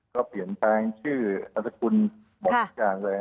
เขาเปลี่ยนทางชื่ออัตภาพคุณบอกทุกอย่างเลย